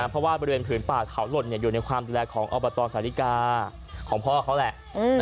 เพราะว่าบริเวณพื้นป่าเขาหล่นเนี่ยอยู่ในความแดดแรกของอัลบัตรอนสาธิกาของพ่อเขาแหละ